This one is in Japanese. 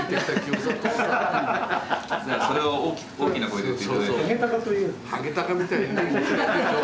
それを大きな声で言って頂いても。